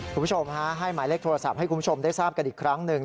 คุณผู้ชมฮะให้หมายเลขโทรศัพท์ให้คุณผู้ชมได้ทราบกันอีกครั้งหนึ่ง